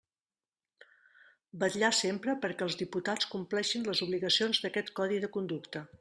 Vetllar sempre perquè els diputats compleixin les obligacions d'aquest Codi de conducta.